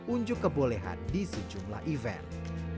unjuk kebolehan di sejumlah event